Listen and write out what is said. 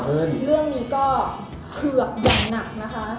เรื่องนี้ก็เผือกอย่างหนักนะคะ